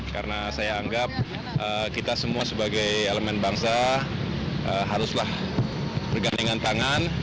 karena saya anggap kita semua sebagai elemen bangsa haruslah bergandingan tangan